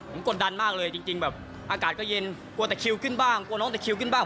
ผมกดดันมากเลยจริงจริงแบบอากาศก็เย็นกลัวแต่คิวขึ้นบ้าง